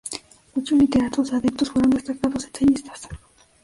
Muchos literatos adeptos fueron destacados ensayistas.